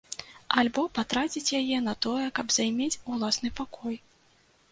Альбо, патраціць яе на тое, каб займець уласны пакой.